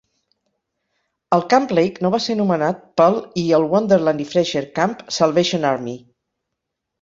El Camp Lake no va ser nomenat pel i el Wonderland i Fresh Air Camp, Salvation Army.